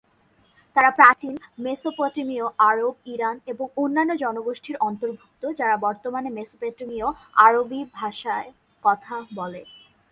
তারা প্রাচীন মেসোপটেমীয় আরব, ইরান, এবং অন্যান্য জনগোষ্ঠীর অন্তর্ভুক্ত, যারা বর্তমানে মেসোপটেমীয় আরবি ভাযায় কথা বলে।